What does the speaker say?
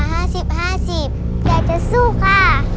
ห้าสิบห้าสิบอยากจะสู้ค่ะ